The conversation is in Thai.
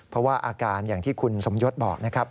เพราะว่าอาการอย่างที่คุณสมยศบอกนะครับ